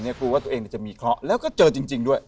กลัวว่าตัวเองจะมีเคราะห์แล้วก็เจอจริงด้วย